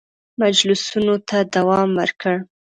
مجلسونو ته دوام ورکړ.